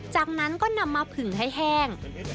จากนั้นก็นำมาผึงให้แห้ง